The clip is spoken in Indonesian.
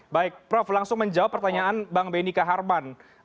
baik prof langsung menjawab pertanyaan bang benny kaharman